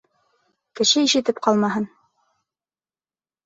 Кеше ишетеп ҡалмаһын!